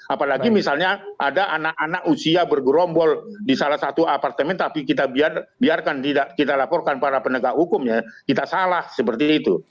apalagi misalnya ada anak anak usia bergerombol di salah satu apartemen tapi kita biarkan kita laporkan para penegak hukumnya kita salah seperti itu